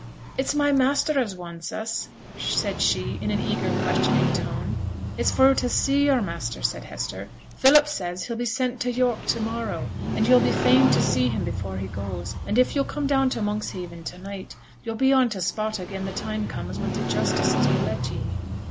'It's my master as wants us?' said she, in an eager, questioning tone. 'It's for to see yo'r master,' said Hester. 'Philip says he'll be sent to York to morrow, and yo'll be fain to see him before he goes; and if yo'll come down to Monkshaven to night, yo'll be on t' spot again' the time comes when t' justices will let ye.'